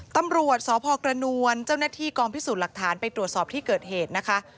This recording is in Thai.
ตำรวจสพกระนวลเจ้าหน้าที่กองพิสูจน์หลักฐานไปตรวจสอบที่เกิดเหตุนะคะ